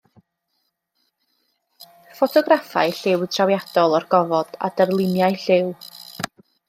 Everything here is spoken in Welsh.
Ffotograffau lliw trawiadol o'r gofod, a darluniau lliw.